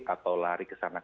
atau lari ke sana